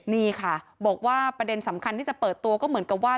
นี่ค่ะบอกว่าประเด็นสำคัญที่จะเปิดตัวก็เหมือนกับว่า